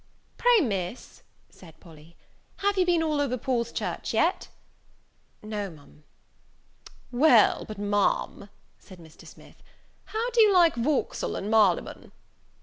"Pray, Miss," said Polly, "have you been all over Paul's Church yet?" "No, Ma'am." "Well, but, Ma'am," said Mr. Smith, "how do you like Vauxhall and Marybone?"